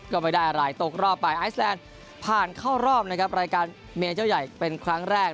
ก็ไม่ได้อะไรตกรอบไปไอแลนด์ผ่านเข้ารอบนะครับรายการเมียเจ้าใหญ่เป็นครั้งแรก